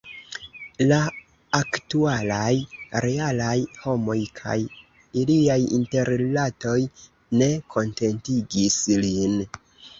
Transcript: La aktualaj, realaj homoj kaj iliaj interrilatoj ne kontentigis lin.